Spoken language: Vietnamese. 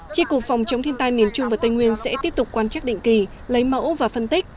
tri cục phòng chống thiên tai miền trung và tây nguyên sẽ tiếp tục quan trắc định kỳ lấy mẫu và phân tích